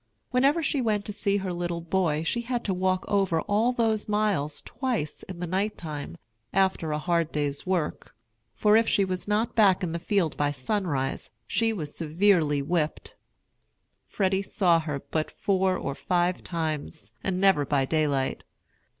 Whenever she went to see her little boy she had to walk over all those miles twice in the night time, after a hard day's work; for if she was not back in the field by sunrise she was severely whipped. Freddy saw her but four or five times, and never by daylight.